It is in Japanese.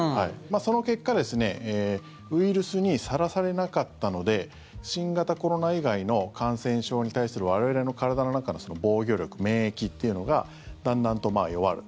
その結果、ウイルスにさらされなかったので新型コロナ以外の感染症に対する我々の体の中のその防御力免疫っていうのがだんだんと弱る。